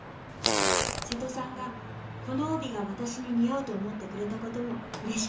「瀬戸さんがこの帯が私に似合うと思ってくれたことも嬉しかった」